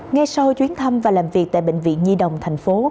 ngay sau chuyến thăm và làm việc tại bệnh viện nhi đồng thành phố